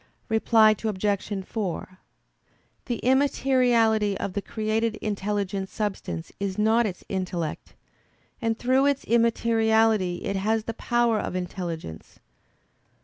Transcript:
Reply Obj. 4: The immateriality of the created intelligent substance is not its intellect; and through its immateriality it has the power of intelligence.